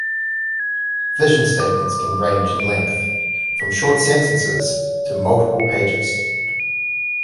Vision statements can range in length from short sentences to multiple pages.